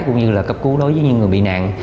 cũng như là cấp cứu đối với những người bị nạn